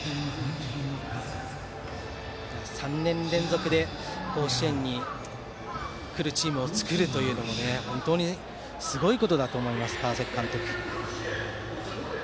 ３年連続で甲子園に来るチームを作るというのも本当にすごいことだと思います。